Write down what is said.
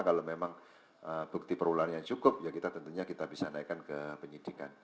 kalau memang bukti perulang yang cukup ya kita tentunya kita bisa naikkan ke penyidikan